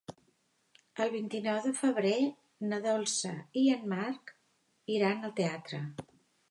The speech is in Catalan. El vint-i-nou de febrer na Dolça i en Marc iran al teatre.